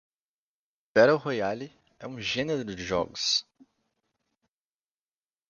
Battle Royale é um gênero de jogos.